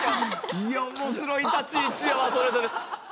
いや面白い立ち位置やわそれぞれ。